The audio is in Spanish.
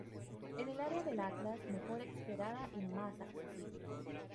Es el área del Atlas mejor explorada y más accesible.